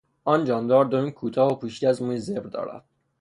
آن جاندار دمی کوتاه و پوشیده از موی زبر دارد.